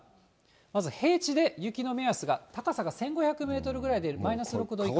まず平地で雪の目安が、高さが１５００メートルぐらいでマイナス６度以下。